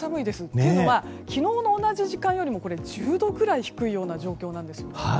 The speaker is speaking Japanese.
というのは昨日の同じ時間よりも１０度くらい低いような状況なんですよね。